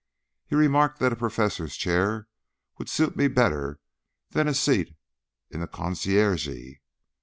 He remarked that a Professor's chair would suit me better than a seat in the Conciergerie.